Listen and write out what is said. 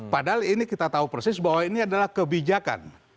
padahal ini kita tahu persis bahwa ini adalah kebijakan